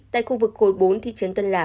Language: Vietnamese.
tại khu vực khối bốn thị trấn tân lạc